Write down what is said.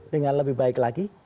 dengan lebih baik lagi